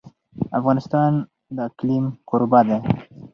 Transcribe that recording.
افغانستان د اقلیم کوربه دی.